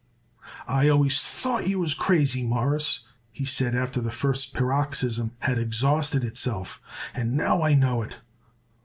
"I always thought you was crazy, Mawruss," he said after the first paroxysm had exhausted itself, "and now I know it."